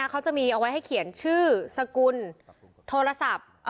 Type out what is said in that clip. เขาจะมีเอาไว้ให้เขียนชื่อสกุลโทรศัพท์